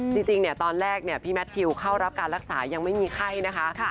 จริงตอนแรกพี่แมททิวเข้ารับการรักษายังไม่มีไข้นะคะ